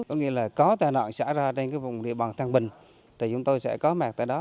có nghĩa là có tai nạn xả ra trên cái vùng địa bàn thăng bình thì chúng tôi sẽ có mạc tại đó